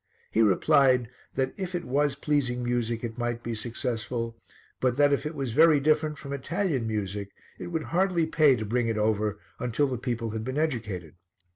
He replied that if it was pleasing music it might be successful, but that if it was very different from Italian music it would hardly pay to bring it over until the people had been educated.